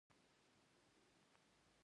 څه خبره ده؟ موټروان وپوښتل.